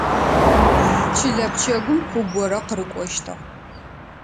Чылэ пчэгум ку горэ къырыкӏощтыгъ.